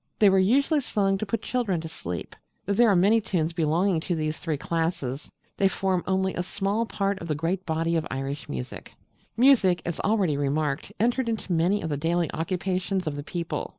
They were usually sung to put children to sleep. Though there are many tunes belonging to these three classes, they form only a small part of the great body of Irish music. Music as already remarked entered into many of the daily occupations of the people.